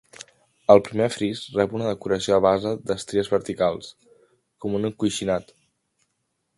El primer fris rep una decoració a base d'estries verticals, com un encoixinat.